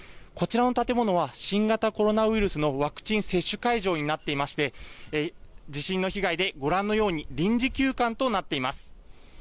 こちらの建物は新型コロナウイルスのワクチン接種会場になっていまして地震の被害でご覧のように臨時休館となっています。